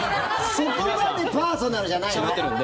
そこまでパーソナルじゃないんで。